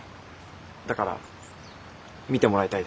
だから見てもらいたいです。